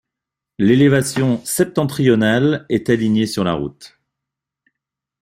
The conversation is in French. L'élévation septentrionale est alignée sur la route.